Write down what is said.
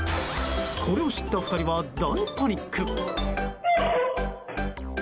これを知った２人は大パニック。